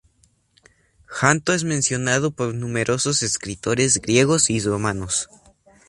Janto es mencionada por numerosos escritores griegos y romanos.